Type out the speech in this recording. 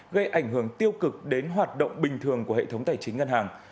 gây ảnh hưởng tiêu cực đến hoạt động bình thường của hệ thống tài chính ngân hàng